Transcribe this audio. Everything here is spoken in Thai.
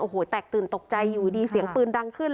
โอ้โหแตกตื่นตกใจอยู่ดีเสียงปืนดังขึ้น